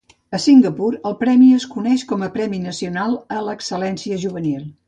A Singapur, el premi es coneix com "Premi nacional a l'excel·lència juvenil".